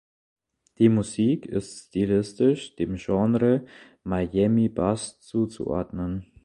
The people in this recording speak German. Die Musik ist stilistisch dem Genre Miami Bass zuzuordnen.